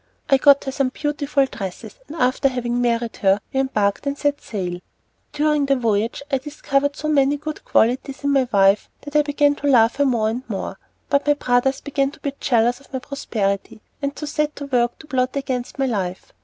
I got her some beautiful dresses, and after having married her, we embarked and set sail. During the voyage, I discovered so many good qualities in my wife that I began to love her more and more. But my brothers began to be jealous of my prosperity, and set to work to plot against my life.